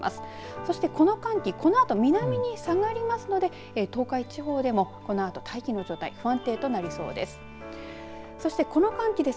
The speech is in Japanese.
そして、この寒気このあと南に下がりますので東海地方でも、このあと大気の状態、不安定となりそうです。